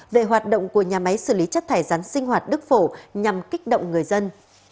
về hoạt động của nhà máy xử lý chất thải rắn sinh hoạt đức phổ nhằm kích động người dân